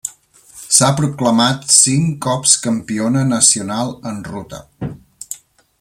S'ha proclamat cinc cops campiona nacional en ruta.